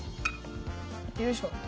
よいしょ。